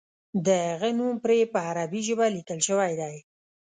د هغه نوم پرې په عربي ژبه لیکل شوی دی.